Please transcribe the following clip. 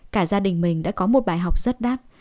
cả gia đình mình đã có một bài học rất đát